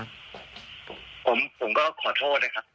ผมผมก็ขอโทษนะครับ